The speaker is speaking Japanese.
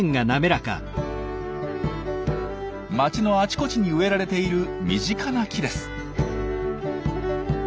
街のあちこちに植えられている身近な木です。